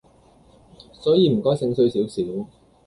所以唔該醒水少少